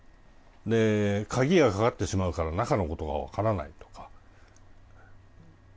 鍵がかかってしまうから中のことが分からないとか。